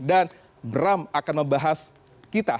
bram akan membahas kita